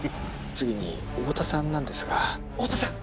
☎次に太田さんなんですが太田さん